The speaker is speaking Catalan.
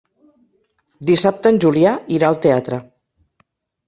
Dissabte en Julià irà al teatre.